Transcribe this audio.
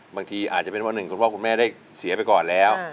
บางทีอาจจะเป็นเพราะหนึ่งคุณพ่อคุณแม่ได้เสียไปก่อนแล้ว